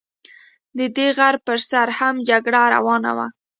د دې غر پر سر هم جګړه روانه وه.